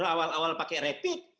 awal awal pakai rapid